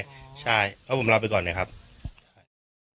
ผมเล่าอยู่ไปก่อนเราก็จะได้รู้แล้ว